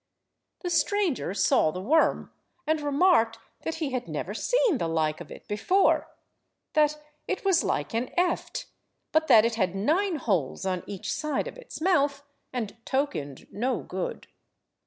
The stranger saw the worm, and remarked that he had never seen the like of it before—that it was like an eft, but that it had nine holes on each side of its mouth, and tokened no good.